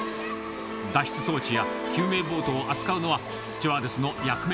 脱出装置や救命ボートを扱うのはスチュワーデスの役目。